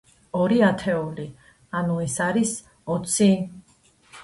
ორი ათეული, ანუ ეს არის ოცი.